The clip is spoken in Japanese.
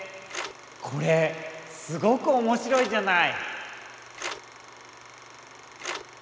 これすごくおもしろいじゃない。